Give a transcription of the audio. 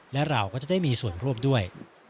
และเราก็จะได้มีส่วนร่วมด้วย